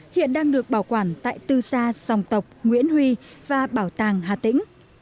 hiện đang được bảo quản tại tư gia dòng tộc nguyễn huy và bảo tàng hà tĩnh